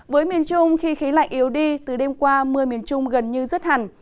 với miền trung khi khí lạnh yếu đi từ đêm qua mưa miền trung gần như rứt hẳn